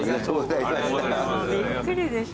びっくりでしょ。